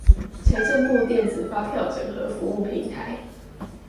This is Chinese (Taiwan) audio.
財政部電子發票整合服務平台